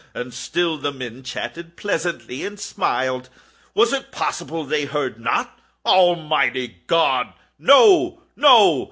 And still the men chatted pleasantly, and smiled. Was it possible they heard not? Almighty God!—no, no!